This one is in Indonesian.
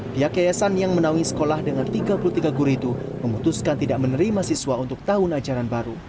pihak yayasan yang menaungi sekolah dengan tiga puluh tiga guru itu memutuskan tidak menerima siswa untuk tahun ajaran baru